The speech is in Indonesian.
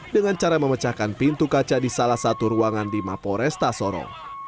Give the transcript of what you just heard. dengan cara memecahkan pintu kaca di salah satu ruangan di mapo resta sorong